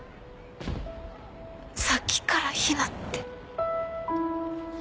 さっきからヒナって。